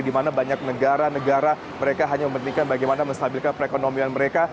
di mana banyak negara negara mereka hanya mementingkan bagaimana menstabilkan perekonomian mereka